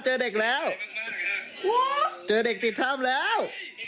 เจอเด็กแล้วเจอเด็กติดถ้ำแล้ว